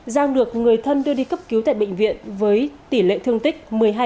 giang được người thân đưa đi cấp cứu tại bệnh viện với tỷ lệ thương tích một mươi hai